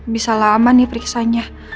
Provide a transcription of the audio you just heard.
bisa lama nih periksaannya